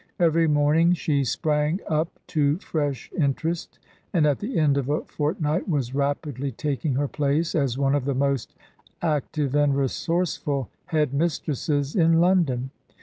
Every morning she sprang up to fresh interest, and at the end of a fortnight was rapidly taking her place as one of the most active and resourceful Head mistresses in London.